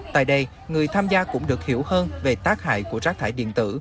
tại đây người tham gia cũng được hiểu hơn về tác hại của rác thải điện tử